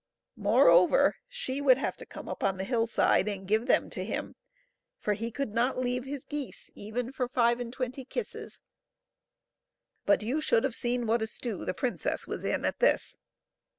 Moreover, she would have to come up on the hillside and give them to him, for he could not leave his geese even for five and twenty kisses. But you should have seen what a stew the princess was in at this!